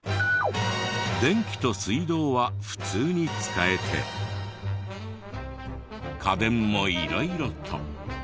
電気と水道は普通に使えて家電も色々と。